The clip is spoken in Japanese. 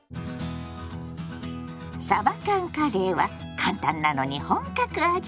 「さば缶カレー」は簡単なのに本格味。